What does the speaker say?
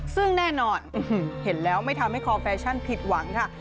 ซึ่งแน่นอนเห็นแล้วไม่ทำให้คอแฟชั่นผิดหวังค่ะ